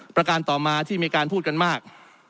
ประการต่อมาที่มีการพูดกันมาก